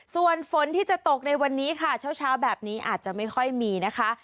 ส่วนฝนที่จะตกในวันนี้ค่ะเช้าแบบนี้อาจจะไม่ค่อยมีนะคะ